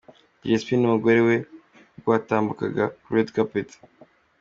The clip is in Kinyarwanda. Dj Spin n'umugore we ubwo batambukaga kuri Red Carpet.